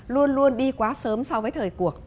luôn luôn đi quá sớm so với thời cuộc